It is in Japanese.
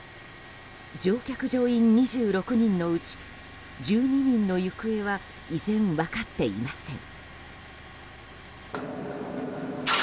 乗客・乗員２６人のうち１２人の行方は依然分かっていません。